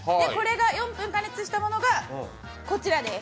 ４分加熱したものがこちらです。